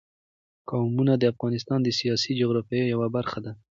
قومونه د افغانستان د سیاسي جغرافیه یوه برخه ده.